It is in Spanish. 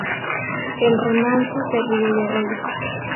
En remansos de ríos y arroyos.